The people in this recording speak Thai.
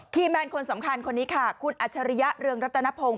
แมนคนสำคัญคนนี้ค่ะคุณอัจฉริยะเรืองรัตนพงศ